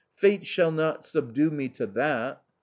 Fate shall not subdue me to that